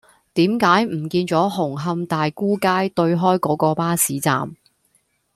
點解唔見左紅磡大沽街對開嗰個巴士站